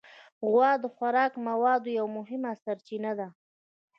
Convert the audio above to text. غوا د خوراکي موادو یو مهمه سرچینه ده.